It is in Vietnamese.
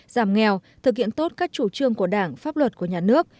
giảm nghèo thực hiện tốt các chủ trương của đảng pháp luật của nhà nước